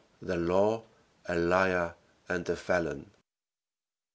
The law a liar and a felon.